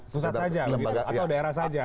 susah saja atau daerah saja